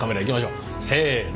せの。